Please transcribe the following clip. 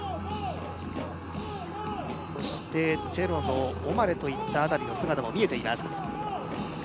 そしてチェロノオマレといったあたりの姿も見えています